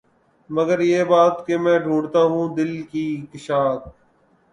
مگر یہ بات کہ میں ڈھونڈتا ہوں دل کی کشاد